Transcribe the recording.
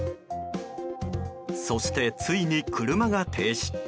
そして、ついに車が停止。